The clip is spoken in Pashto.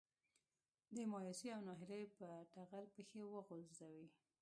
د مايوسي او ناهيلي په ټغر پښې وغځوي.